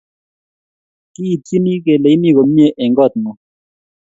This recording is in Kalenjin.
kiityini kele imi komie eng kotng'ung